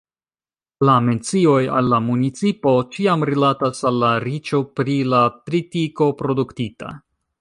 La mencioj al la municipo ĉiam rilatas al la riĉo pri la tritiko produktita.